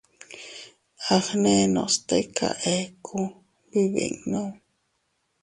Agnenos tika eku, bibinnu.